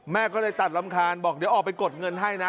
แม่ก็เลยตัดรำคาญบอกเดี๋ยวออกไปกดเงินให้นะ